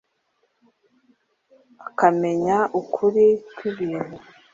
akamenya ukuri kw'ibintu